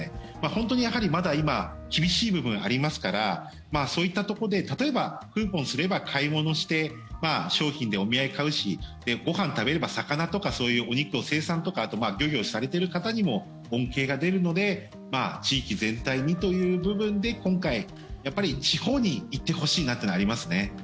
本当にまだ今厳しい部分ありますからそういったところで例えばクーポン刷れば買い物して商品でお土産買うしご飯食べれば魚とかそういうお肉を生産とかあと漁業されている方にも恩恵が出るので地域全体にという部分で今回、地方に行ってほしいなというのがありますね。